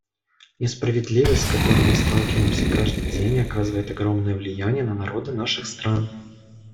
Несправедливость, с которой мы сталкиваемся каждый день, оказывает огромное влияние на народы наших стран.